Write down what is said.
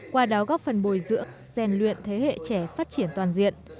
qua đó góp phần bồi dưỡng rèn luyện thế hệ trẻ phát triển toàn diện